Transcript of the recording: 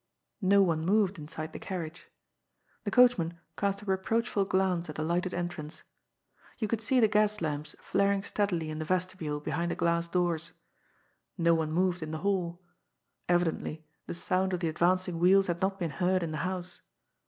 No one moved inside the carriage. The coachman cast a reproachful glance at the lighted en trance. You could see the gas lamps flaring steadily in the vestibule behind the glass doors. No one moved in the hall. Evidently the sound of the advancing wheels had not been heard in the house.